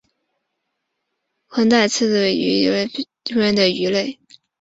横带刺尾鱼又名条纹刺尾鱼为刺尾鱼科刺尾鱼属的鱼类。